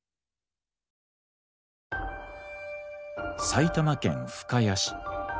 埼玉県深谷市。